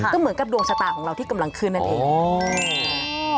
ก็เหมือนกับดวงชะตาของเราที่กำลังขึ้นนั่นเอง